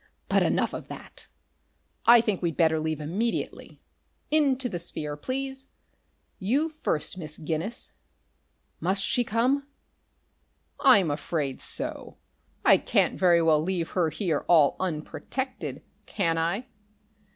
But enough of that. I think we'd better leave immediately. Into the sphere, please. You first, Miss Guinness." "Must she come?" "I'm afraid so. I can't very well leave her here all unprotected, can I?"